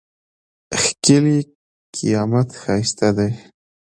ښکېلی قامت ښایسته دی.